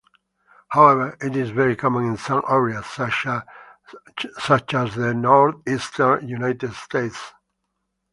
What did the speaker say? However, it is very common in some areas, such as the Northeastern United States.